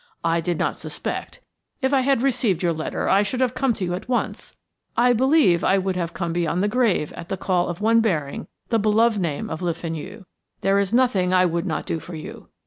I did not suspect if I had received your letter I should have come to you at once I believe I would come beyond the grave at the call of one bearing the beloved name of Le Fenu. There is nothing I would not do for you.